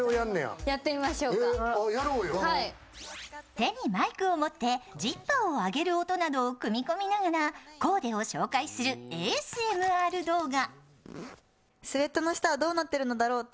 手にマイクを持ってジッパーを上げる音などを組み込みながらコーデを紹介するＡＳＭＲ動画。